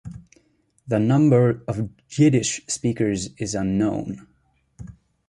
The number of Yiddish-speakers is unknown.